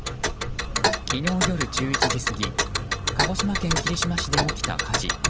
昨日夜１１時過ぎ鹿児島県霧島市で起きた火事。